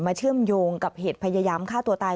เชื่อมโยงกับเหตุพยายามฆ่าตัวตาย